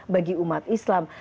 bagi umat islam